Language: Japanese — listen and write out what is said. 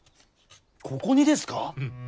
ここにですか！？